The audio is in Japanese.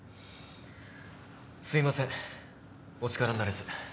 すいませんお力になれず。